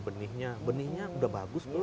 benihnya benihnya sudah bagus dulu